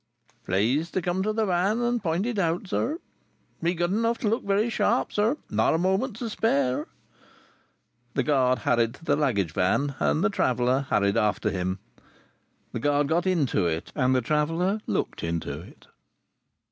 "Please to come to the van and point it out, sir. Be good enough to look very sharp, sir. Not a moment to spare." The guard hurried to the luggage van, and the traveller hurried after him. The guard got into it, and the traveller looked into it.